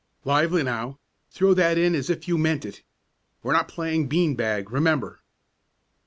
"Lively now! Throw that in as if you meant it! We're not playing bean bag, remember!"